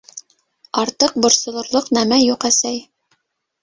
— Артыҡ борсолорлоҡ нәмә юҡ, әсәй.